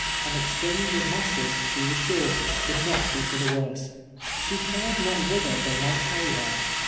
An exchange of masters, she was sure, could not be for the worse. She cared not whither they might carry her.